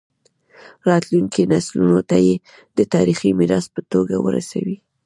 راتلونکو نسلونو ته یې د تاریخي میراث په توګه ورسوي.